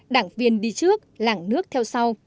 đảng viên đi trước làng nước theo sau